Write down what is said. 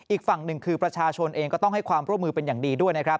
อีกฝั่งหนึ่งคือประชาชนเองก็ต้องให้ความร่วมมือเป็นอย่างดีด้วยนะครับ